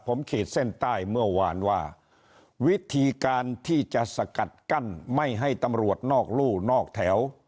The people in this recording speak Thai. ผมขีดเส้นใต้เมื่อวานว่าวิธีการที่จะสกัดกั้นไม่ให้ตำรวจนอกรู่นอกแถว